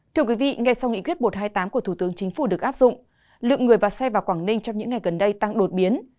thưa quý vị ngay sau nghị quyết một trăm hai mươi tám của thủ tướng chính phủ được áp dụng lượng người và xe vào quảng ninh trong những ngày gần đây tăng đột biến